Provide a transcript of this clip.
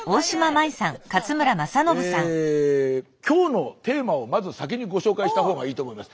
今日のテーマをまず先にご紹介したほうがいいと思います。